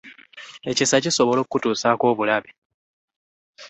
Ekisa kisobola okutusako obulabe.